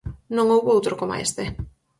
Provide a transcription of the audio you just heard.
Non houbo outro coma este!